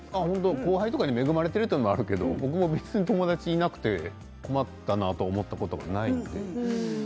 後輩たちに恵まれてるということもあるけど友達いなくて困ったなっていうことがないので。